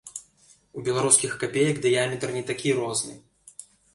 У беларускіх капеек дыяметр не такі розны.